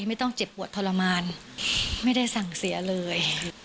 ไม่ต้องเจ็บปวดทรมานไม่ได้สั่งเสียเลย